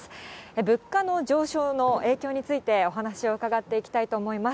物価の上昇の影響についてお話を伺っていきたいと思います。